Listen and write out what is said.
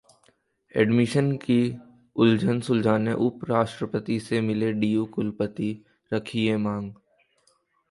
admission की उलझन सुलझाने उपराष्ट्रपति से मिले डीयू कुलपति, रखी ये मांग